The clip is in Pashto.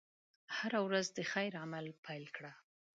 هره ورځ د خیر عمل پيل کړه.